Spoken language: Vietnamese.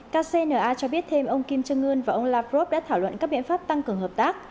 kcna cho biết thêm ông kim jong un và ông lavrov đã thảo luận các biện pháp tăng cường hợp tác